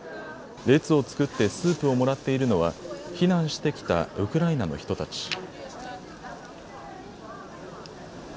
列を作ってスープをもらっているのは避難してきたウクライナの人たち。